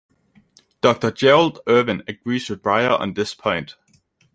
Doctor Gerald Irwin agrees with Brier on this point.